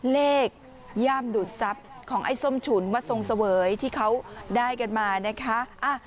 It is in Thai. ย่ามดูดทรัพย์ของไอ้ส้มฉุนวัดทรงเสวยที่เขาได้กันมานะคะ